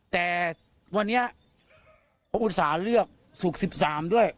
แต่วันนี้ผมอุตส่าห์เลือกศุกร์๑๓ด้วย